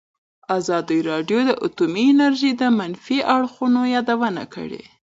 ازادي راډیو د اټومي انرژي د منفي اړخونو یادونه کړې.